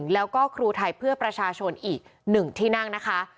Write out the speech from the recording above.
แล้วก็ครูไทยเพื่อประชาชนอีก๑ที่นั่งนะคะ